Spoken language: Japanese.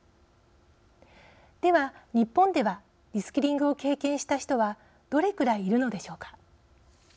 では、日本ではリスキリングを経験した人はどれくらいいるのでしょうか。